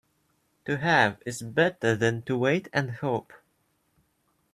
To have is better than to wait and hope.